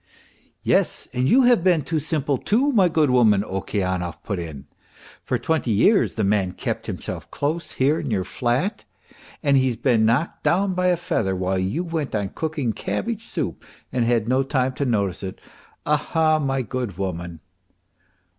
" Yes, and you have been too simple, too, my good woman," Okeanov put in. " For twenty years the man kept himself close here in your flat, and here he's been knocked down by a feather while you went on cooking cabbage soup and had no time to notice it. ... Ah ah, my good woman